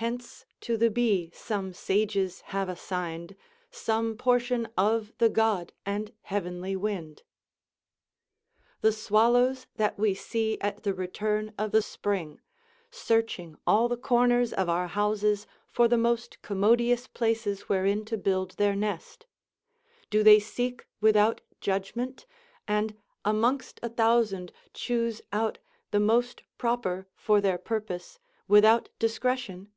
"Hence to the bee some sages have assign'd Some portion of the god and heavenly wind." The swallows that we see at the return of the spring, searching all the corners of our houses for the most commodious places wherein to build their nest; do they seek without judgment, and amongst a thousand choose out the most proper for their purpose, without discretion?